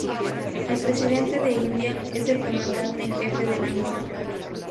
El Presidente de India es el comandante en jefe de la misma.